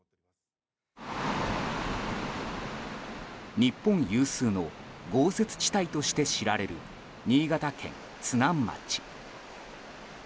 日本有数の豪雪地帯として知られる新潟県津南町。